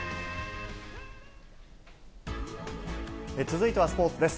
続いてはスポーツです。